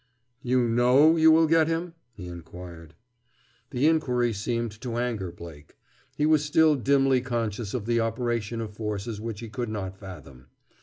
"You know you will get him?" he inquired. The inquiry seemed to anger Blake. He was still dimly conscious of the operation of forces which he could not fathom.